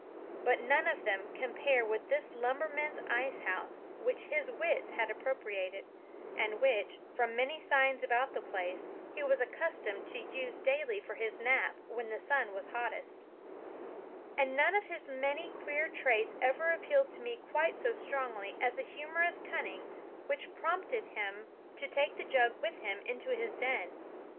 But none of them compare with this lumberman's ice house which his wits had appropriated, and which, from many signs about the place, he was accustomed to use daily for his nap when the sun was hottest; and none of his many queer traits ever appealed to me quite so strongly as the humorous cunning which prompted him to take the jug with him into his den.